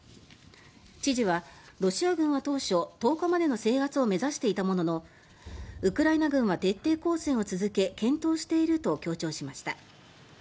知事は、ロシア軍は当初１０日までの制圧を目指していたもののウクライナ軍は徹底抗戦を続け健闘していると強調しました。